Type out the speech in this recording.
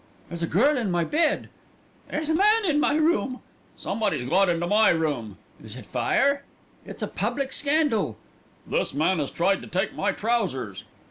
"There's a girl in my bed." "There's a man in my room." "Somebody's got into my room." "Is it fire?" "It's a public scandal." "This man has tried to take my trousers."